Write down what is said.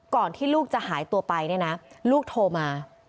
ก่อนที่ลูกจะหายตัวไปลูกโทรมา